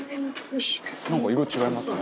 「なんか色違いますね」